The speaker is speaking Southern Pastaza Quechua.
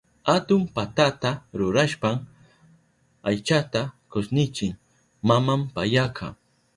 Atun patata rurashpan aychata kushnichin maman payaka.